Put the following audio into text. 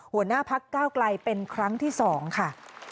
หัวหน้าพักก้าวไกลเป็นครั้งที่๒ค่ะ